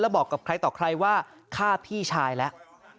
บอกกับใครต่อใครว่าฆ่าพี่ชายแล้ว